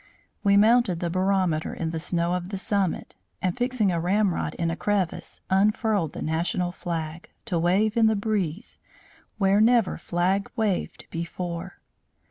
We mounted the barometer in the snow of the summit, and, fixing a ramrod in a crevice, unfurled the national flag, to wave in the breeze, where never flag waved before.